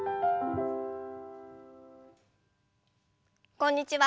こんにちは。